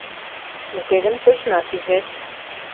Уке гын почна пижеш.